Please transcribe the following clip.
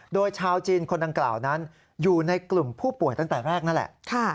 โดยชาวจีนคนดังกล่าวนั้นอยู่ในกลุ่มผู้ป่วยตั้งแต่แรกนั่นแหละ